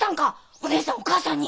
お義姉さんお母さんに？